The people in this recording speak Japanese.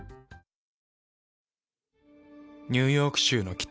ニューヨーク州の北。